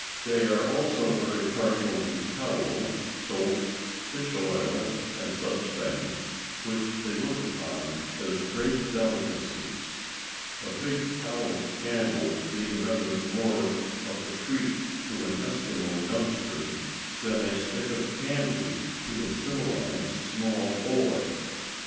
They are also very partial to tallow, soap, fish oil, and such things, which they look upon as great delicacies, a big tallow candle being rather more of a treat to an Eskimo youngster than a stick of candy to a civilized small boy.